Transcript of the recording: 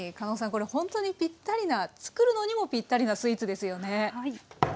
これほんとにぴったりな作るのにもぴったりなスイーツですよね。